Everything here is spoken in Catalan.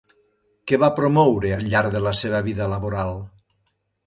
Què va promoure al llarg de la seva vida laboral?